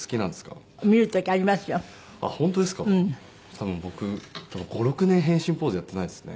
多分僕５６年変身ポーズやってないですね。